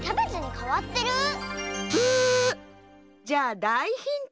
じゃあだいヒント。